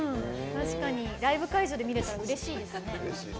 ライブ会場で見れたらうれしいですね。